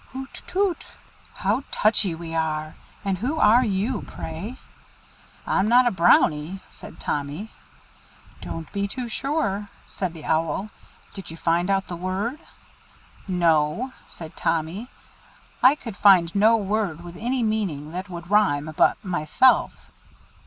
"Hoot! toot! How touchy we are! And who are you, pray?" "I'm not a Brownie," said Tommy. "Don't be too sure," said the Owl. "Did you find out the word?" "No," said Tommy. "I could find no word with any meaning that would rhyme but 'myself.'"